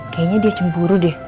kayaknya dia cemburu deh